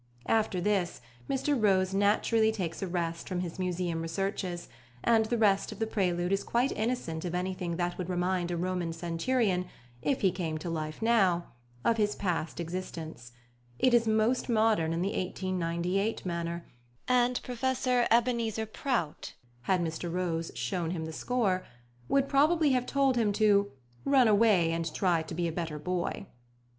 After this, Mr Rôze naturally takes a rest from his museum researches, and the rest of the prelude is quite innocent of anything that would remind a Roman centurion, if he came to life now, of his past existence: it is most modern in the 1898 manner, and Professor Ebenezer Prout, had Mr Rôze shown him the score, would probably have told him to "run away and try to be a better boy."